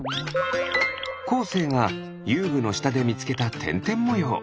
こうせいがゆうぐのしたでみつけたてんてんもよう。